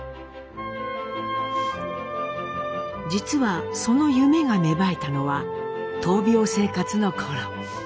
実はその夢が芽生えたのは闘病生活の頃。